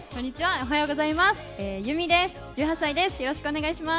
おはようございます。